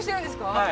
はい。